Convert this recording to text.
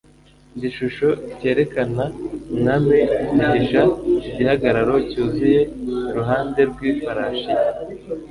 Igishusho cyerekana Umwami Mugisha igihagararo cyuzuye iruhande rw'ifarashi ye